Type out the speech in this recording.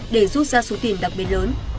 để rút ra số tiền đặc biệt lớn